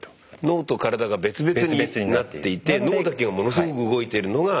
脳と体が別々になっていて脳だけがものすごく動いているのが。